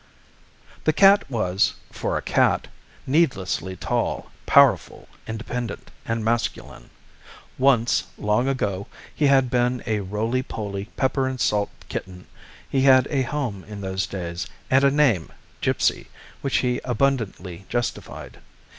This cat was, for a cat, needlessly tall, powerful, independent, and masculine. Once, long ago, he had been a roly poly pepper and salt kitten; he had a home in those days, and a name, "Gipsy," which he abundantly justified.